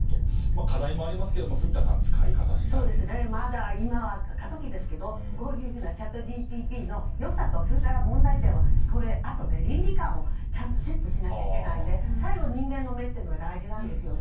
課題もありますけれども住田さんまだ今は過渡期ですけどこういうチャットＧＰＴの良さと問題点はあとで倫理観をちゃんとチェックしなきゃいけないので最後は人間の目が大事なんですよね。